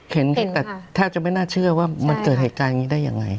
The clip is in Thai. เห็นแต่แทบจะไม่น่าเชื่อว่ามันเกิดเหตุการณ์อย่างนี้ได้ยังไง